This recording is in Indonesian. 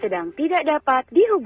sedang tidak dapat dihubungi